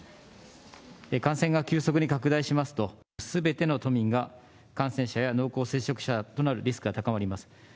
感染が急速に拡大しますと、すべての都民が感染者や濃厚接触者となるリスクが高まります。